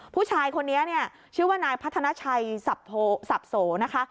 ผู้ชายคนนี้เนี่ยชื่อว่านายพัฒนาชัยสับโสนะคะ